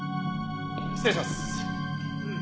失礼します。